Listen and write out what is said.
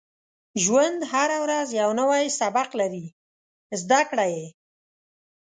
• ژوند هره ورځ یو نوی سبق لري، زده کړه یې.